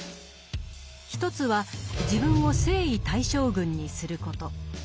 一つは自分を征夷大将軍にすること。